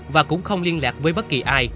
và cũng không liên lạc với bất kỳ ai